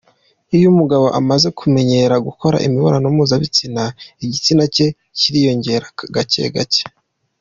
Iyo Umugabo amaze kumenyera gukora imibonano mpuzabitsina igitsina cye kiriyongera gake gake.